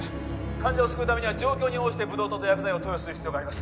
患者を救うためには状況に応じてブドウ糖と薬剤を投与する必要があります